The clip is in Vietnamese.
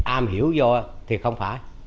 am hiểu vô thì không phải